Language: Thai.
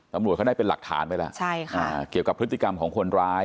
ตำรวจเขาได้เป็นหลักฐานไปแล้วใช่ค่ะเกี่ยวกับพฤติกรรมของคนร้าย